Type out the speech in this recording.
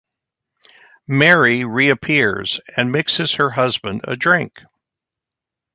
Mary reappears and mixes her husband a drink.